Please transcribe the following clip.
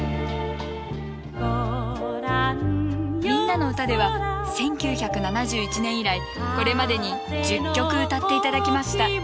「みんなのうた」では１９７１年以来これまでに１０曲歌って頂きました。